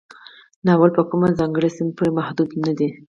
ناول په کومه ځانګړې سیمه پورې محدود نه دی.